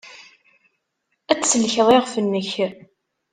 Ad tsellkeḍ iɣef-nnek.